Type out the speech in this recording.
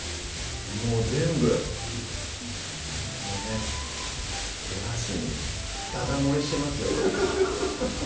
もう全部このねおだしにだだ漏れしてますよね